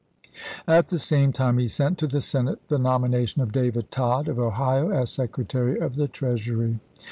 At the same time he sent to the Senate the nom ination of David Tod of Ohio as Secretary of the Treasury.